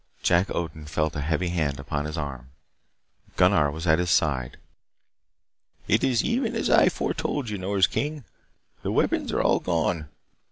Jack Odin felt a heavy hand upon his arm. Gunnar was at his side. "It is even as I foretold you, Nors King. The weapons are all gone.